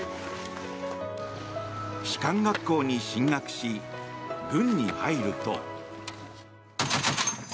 士官学校に進学し軍に入ると。